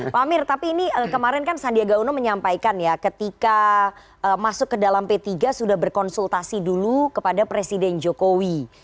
pak amir tapi ini kemarin kan sandiaga uno menyampaikan ya ketika masuk ke dalam p tiga sudah berkonsultasi dulu kepada presiden jokowi